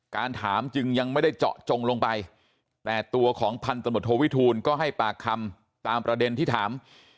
ถามจึงยังไม่ได้เจาะจงลงไปแต่ตัวของพันธมตโทวิทูลก็ให้ปากคำตามประเด็นที่ถาม